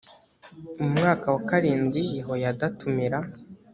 mu mwaka wa karindwi yehoyada atumira